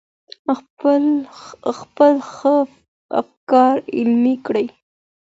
خپل ښه افکار عملي کړئ.